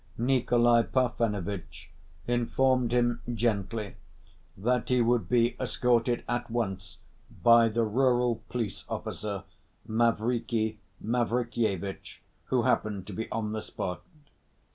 Nikolay Parfenovitch informed him gently that he would be escorted at once by the rural police officer, Mavriky Mavrikyevitch, who happened to be on the spot....